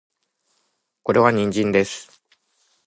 これは人参です